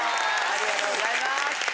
ありがとうございます。